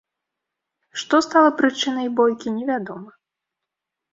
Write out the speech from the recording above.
Што стала прычынай бойкі, невядома.